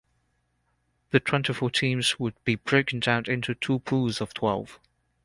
The twenty four teams would be broken down into two pools of twelve.